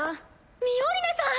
ミオリネさん！